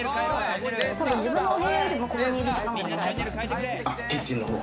自分の部屋よりも、ここにいる時間の方が長いです。